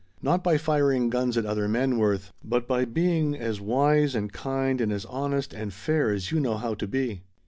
Not by firing guns at other men, Worth, but by being as wise and kind and as honest and fair as you know how to be."